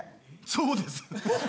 そうです。